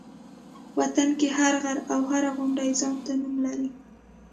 وطن کې هر غر او هره غونډۍ ځان ته نوم لري.